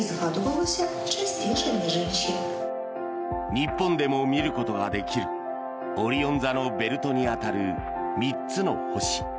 日本でも見ることができるオリオン座のベルトに当たる３つの星。